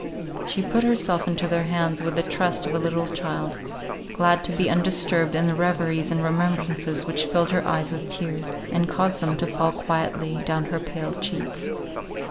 She put herself into their hands with the trust of a little child; glad to be undisturbed in the reveries and remembrances which filled her eyes with tears, and caused them to fall quietly down her pale cheeks.